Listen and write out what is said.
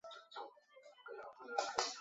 后改任中共江西省委组织部副部长。